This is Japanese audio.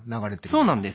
そうなんです。